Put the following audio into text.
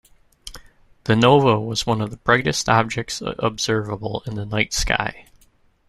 The nova was one of the brightest objects observable in the night sky.